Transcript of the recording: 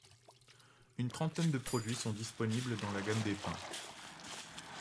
Une trentaine de produits sont disponibles dans la gamme des pains.